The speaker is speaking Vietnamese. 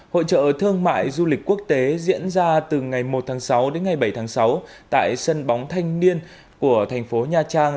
hội trợ thương mại du lịch quốc tế diễn ra từ ngày một tháng sáu đến ngày bảy tháng sáu tại sân bóng thanh niên của thành phố nha trang